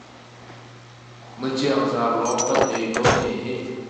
Na ciangzar lawng kan ei ko ne hih!